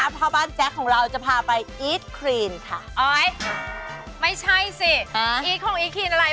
พ่อบ้านแจ๊คของเราจะพาไปอีทครีนค่ะไม่ใช่สิอีทของอีครีนอะไร